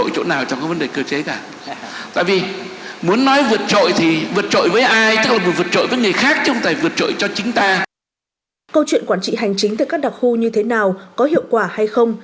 câu chuyện quản trị hành chính tại các đặc khu như thế nào có hiệu quả hay không